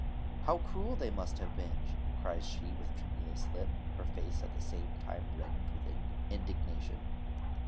'How cruel they must have been!' cries she with tremulous lip, her face at the same time reddened with indignation.